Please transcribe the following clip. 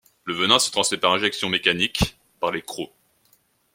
Le venin se transmet par injection mécanique par les crocs.